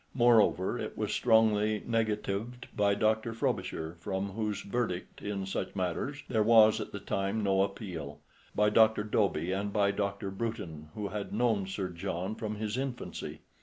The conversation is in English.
Moreover, it was strongly negatived by Dr. Frobisher, from whose verdict in such matters there was at the time no appeal, by Dr. Dobie, and by Dr. Bruton, who had known Sir John from his infancy.